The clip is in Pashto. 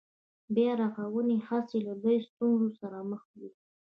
د بيا رغونې هڅې له لویو ستونزو سره مخ دي